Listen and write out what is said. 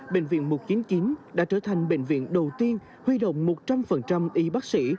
bệnh viện mục kiến kiến đã trở thành bệnh viện đầu tiên huy động một trăm linh y bác sĩ